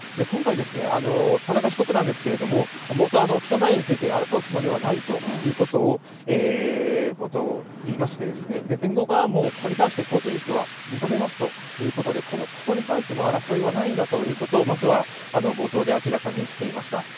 今回ですね、田中被告なんですけれども、冒頭、起訴内容について争うつもりはないということを冒頭言いまして、弁護側も、ここに関して控訴事実は認めますということで、ここに関しても争いはないんだということを、まずは冒頭で明らかにしていました。